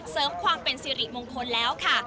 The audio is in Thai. เสริมความเป็นสิริมงคลแล้วค่ะ